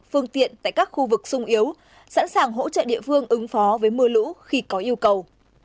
phương tiện tại các khu vực sung yếu sẵn sàng hỗ trợ địa phương ứng phó với mưa lũ khi có yêu cầu